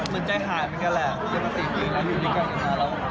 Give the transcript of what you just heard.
มันใจหายเหมือนกันแหละ